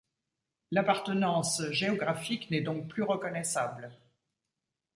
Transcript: L'appartenance géographique n'est donc plus reconnaissable.